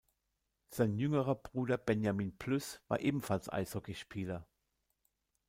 Sein jüngerer Bruder Benjamin Plüss war ebenfalls Eishockeyspieler.